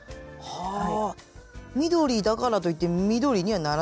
はい。